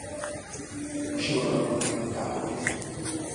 A sivatagban ütnek tábort.